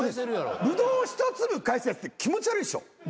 ブドウ１粒返すやつって気持ち悪いでしょ。